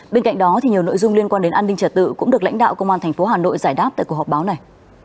bên cạnh đó nhiều nội dung liên quan đến an ninh trả tự cũng được lãnh đạo công an tp hà nội giải đáp tại cuộc họp báo này